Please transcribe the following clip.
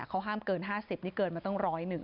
เขาห้ามเกิน๕๐นี่เกินมาตั้ง๑๐๑